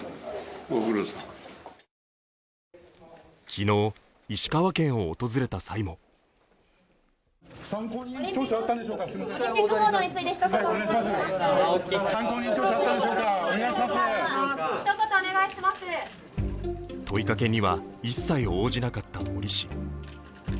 昨日、石川県を訪れた際も問いかけには一切応じなかった森氏。